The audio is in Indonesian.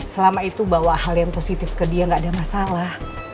selama itu bawa hal yang positif ke dia gak ada masalah